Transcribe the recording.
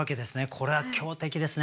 これは強敵ですね。